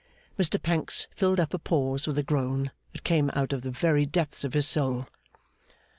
Mr Pancks filled up a pause with a groan that came out of the very depths of his soul.